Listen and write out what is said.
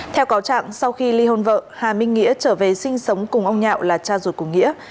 theo cáo trạng sau khi ly hôn vợ hà minh nghĩa trở về sinh sống cùng ông nhạo là cha ruột của nghĩa